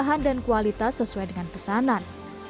pakaian ini memiliki kualitas sesuai dengan pesanan